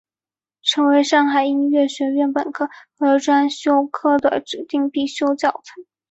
成为上海音乐学院本科和专修科的指定必修教材。